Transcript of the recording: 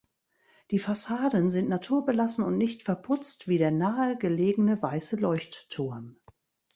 Die Fassaden sind naturbelassen und nicht verputzt wie der nahe gelegene weiße Leuchtturm.